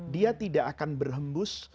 dia tidak akan berhembus